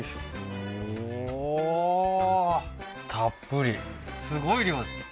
おおーたっぷりすごい量です